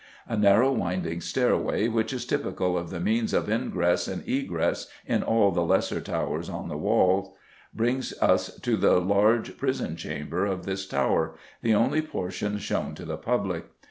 A narrow winding stairway, which is typical of the means of ingress and egress in all the lesser towers on the walls, brings us to the large prison chamber of this tower, the only portion shown to the public.